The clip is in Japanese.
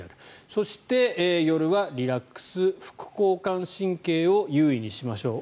そして、夜はリラックス副交感神経を優位にしましょう。